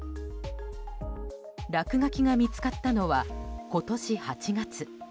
落書きが見つかったのは今年８月。